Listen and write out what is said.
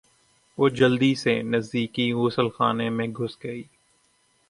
وہ جلدی سے نزدیکی غسل خانے میں گھس گئی۔